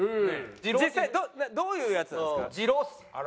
実際どういうやつなんですか？